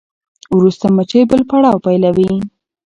وروسته مچۍ بل پړاو پیلوي.